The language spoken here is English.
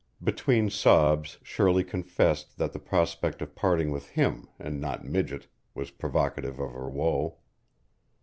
Between sobs Shirley confessed that the prospect of parting with him and not Midget was provocative of her woe.